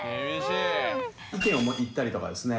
意見を言ったりとかですね